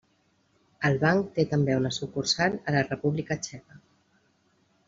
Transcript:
El Banc té també una sucursal a la República Txeca.